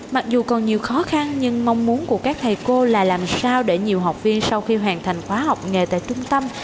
mặc dù còn nhiều khó khăn nhưng mong muốn của các thầy cô là làm sao để nhiều học viên sau khi hoàn thành khóa học nghề tại trung tâm